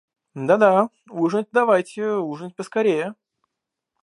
Да, да, ужинать давайте, ужинать поскорее.